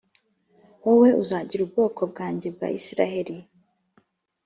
wowe uzagira ubwoko bwanjye bwa isirayeli